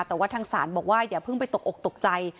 แต่ว่าทางศาลบอกว่าอย่าเพิ่งไปตกอกตกใจ